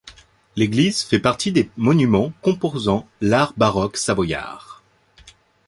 L'église fait partie des monuments composant l'art baroque savoyard.